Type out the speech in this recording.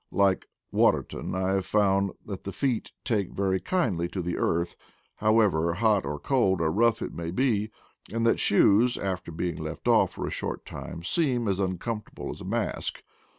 Like Wa terton I have found that the feet take very kindly to the earth, however hot or cold or rough it may be, and that shoes, after being left off for a short time, seem as uncomfortable as a mask.